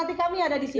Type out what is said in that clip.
pelatih kami ada di sini